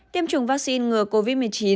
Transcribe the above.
tiêm chủng vaccine ngừa covid một mươi chín